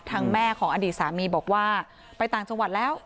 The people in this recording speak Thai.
แม่ของอดีตสามีบอกว่าไปต่างจังหวัดแล้ว